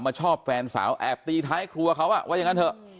ชอบแฟนสาวแอบตีท้ายครัวเขาว่าอย่างนั้นเถอะ